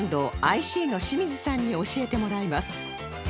アイシーの清水さんに教えてもらいます